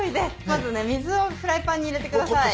まずね水をフライパンに入れてください。